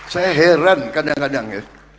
saya heran kadang kadang ya